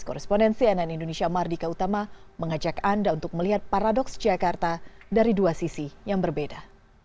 koresponden cnn indonesia mardika utama mengajak anda untuk melihat paradoks jakarta dari dua sisi yang berbeda